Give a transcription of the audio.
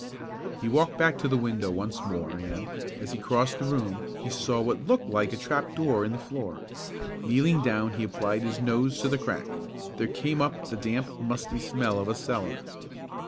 He walked back to the window once more and, as he crossed the room he saw what looked like a trap door in the floor. Kneeling down he applied his nose to the crack. There came up the damp, musty smell of a cellar.